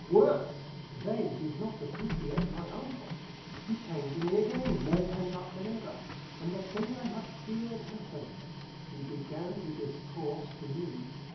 Worse! They did not appreciate my uncle. He came to me again, more pent up than ever, and the thing I had feared happened. He began to discourse to me.